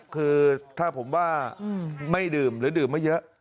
คือถ้าผมว่าไม่ดื่มหรือดื่มไม่เยอะ